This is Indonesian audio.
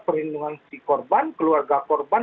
perlindungan si korban keluarga korban